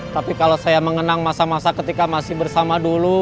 tapi kalau saya mengenang masa masa ketika masih bersama dulu